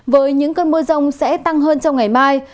với những cơn mưa rông sẽ tăng hơn trong ngày mai